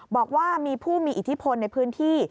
บอกว่ามีผู้มีอิทธิพลในพื้นที่